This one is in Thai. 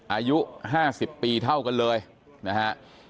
อายุ๕๐ปีเท่ากันเลยนะฮะ